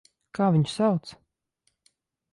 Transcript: Kā viņu sauc?